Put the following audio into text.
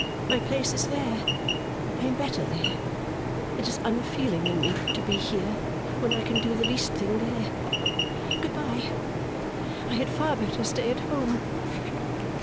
My place is there. I am better there, it is unfeeling in me to be here, when I can do the least thing there. Good bye. I had far better stay at home!